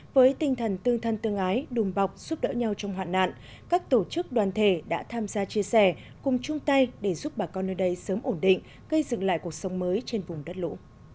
với tinh thần tương thân tương ái đùm bọc giúp đỡ nhau trong hoạn nạn các tổ chức đoàn thể đã tham gia chia sẻ cùng chung tay để giúp bà con nơi đây sớm ổn định gây dựng lại cuộc sống mới trên vùng đất lũ